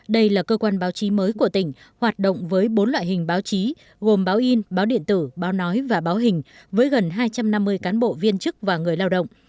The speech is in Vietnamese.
đây là cơ quan báo chí mới của tỉnh hoạt động với bốn loại hình báo chí gồm báo in báo điện tử báo nói và báo hình với gần hai trăm năm mươi cán bộ viên chức và người lao động